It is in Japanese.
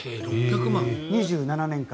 ２７年間。